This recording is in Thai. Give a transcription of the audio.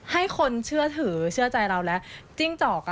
ให้คนเชื่อถือเชื่อใจเราและจิ้งจอก